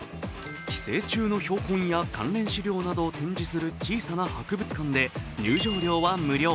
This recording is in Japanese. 寄生虫の標本や関連資料などを展示する小さな博物館で入場料は無料。